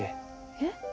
えっ？